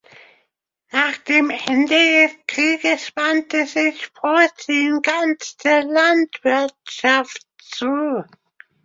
Nach dem Ende des Krieges wandte sich Voisin ganz der Landwirtschaft zu.